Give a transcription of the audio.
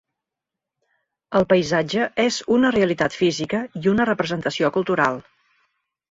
El paisatge és una realitat física i una representació cultural.